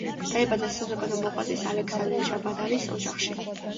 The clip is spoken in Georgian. დაიბადა საზოგადო მოღვაწის ალექსანდრე ჯაბადარის ოჯახში.